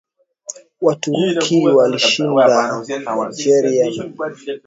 Waturuki walishinda Bulgaria Makedonia Thessaly na wakakaribia